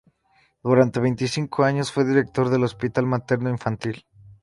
Durante veinticinco años fue director del Hospital Materno Infantil.